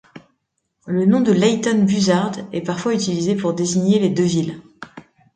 Le nom de Leighton Buzzard est parfois utilisé pour désigner les deux villes.